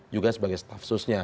juga sebagai staff khususnya